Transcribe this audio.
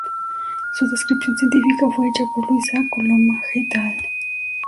Su descripción científica fue hecha por Luis A. Coloma "et al.